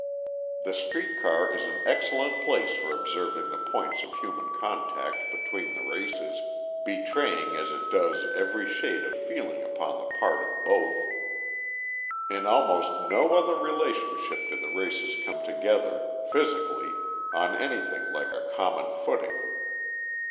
The street car is an excellent place for observing the points of human contact between the races, betraying as it does every shade of feeling upon the part of both. In almost no other relationship do the races come together, physically, on anything like a common footing.